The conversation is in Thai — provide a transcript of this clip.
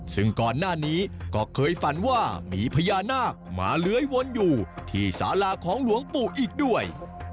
ซึ่งก่อนหน้านี้ก็เคยฝันว่ามีพญานาคมาเลื้อยวนอยู่ที่สาราของหลวงปู่อีกด้วย